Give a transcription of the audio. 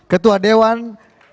ketua dewan komisaris